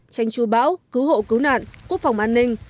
tranh tru bão cứu hộ cứu nạn quốc phòng an ninh